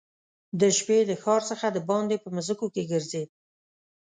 د شپې د ښار څخه دباندي په مځکو کې ګرځېد.